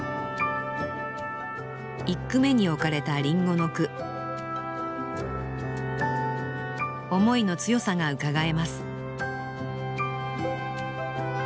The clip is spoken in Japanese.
１句目に置かれた林檎の句思いの強さがうかがえます